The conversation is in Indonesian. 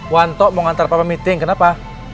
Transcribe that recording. wanto mau ngantar papa meeting kenapa